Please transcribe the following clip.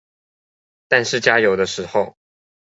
但是加油的時候